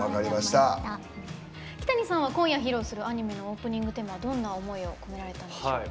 キタニさんは今夜、披露するアニメのオープニングテーマはどんな思いを込められたんですか。